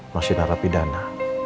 masih narapi dana